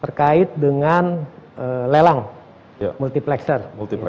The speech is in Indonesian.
terkait dengan lelang multiplexer